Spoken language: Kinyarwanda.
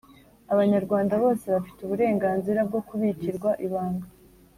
abanyarwanda bose bafite uburenganzira bwo kubikirwa ibanga